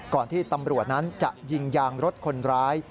ที่ตำรวจนั้นจะยิงยางรถคนร้าย